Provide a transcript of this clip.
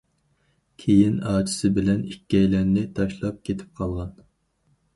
كېيىن ئاچىسى بىلەن ئىككىيلەننى تاشلاپ كېتىپ قالغان.